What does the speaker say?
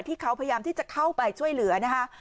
ที่เขาพยายามที่จะเข้าไปช่วยเหลือนะคะ